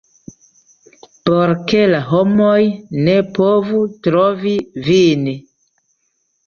por ke la homoj ne povu trovi vin.